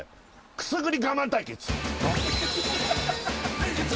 くすぐり我慢対決